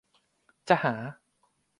จะหา